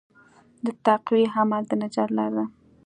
د تقوی عمل د نجات لاره ده.